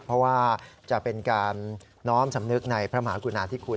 เพราะว่าจะเป็นการน้อมสำนึกในพระมหากุณาธิคุณ